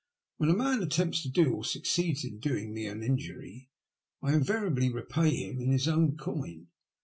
''When a man attempts to do, or succeeds in doing, me an injury, I invariably repay him in his own coin.